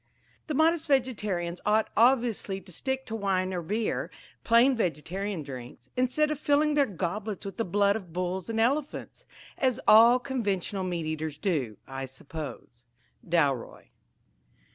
The modest vegetarians ought obviously to stick to wine or beer, plain vegetarian drinks, instead of filling their goblets with the blood of bulls and elephants, as all conventional meat eaters do, I suppose." Dalroy.